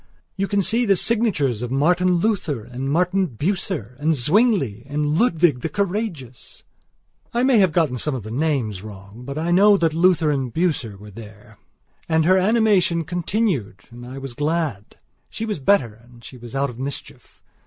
You can see the signatures of Martin Luther, and Martin Bucer, and Zwingli, and Ludwig the Courageous...." I may have got some of the names wrong, but I know that Luther and Bucer were there. And her animation continued and I was glad. She was better and she was out of mischief.